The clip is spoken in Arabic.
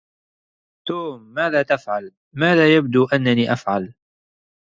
توم، ماذا تفعل؟ "ماذا يبدو أنني أفعل؟"